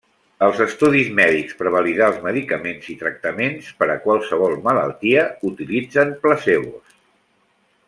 Els estudis mèdics per validar els medicaments i tractaments per a qualsevol malaltia utilitzen placebos.